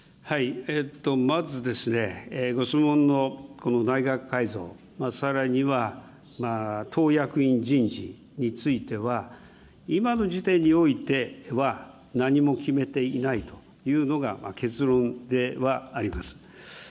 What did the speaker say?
まずですね、ご質問のこの内閣改造、さらには党役員人事については、今の時点においては何も決めていないというのが結論ではあります。